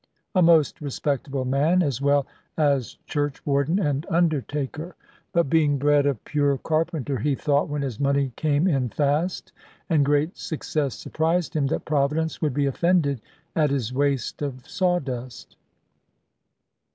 A most respectable man, as well as churchwarden and undertaker; but being bred a pure carpenter, he thought (when his money came in fast, and great success surprised him) that Providence would be offended at his waste of sawdust.